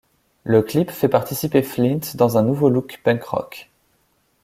Le clip fait participer Flint dans un nouveau look punk rock.